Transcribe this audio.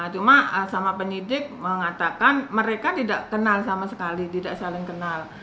cuma sama penyidik mengatakan mereka tidak kenal sama sekali tidak saling kenal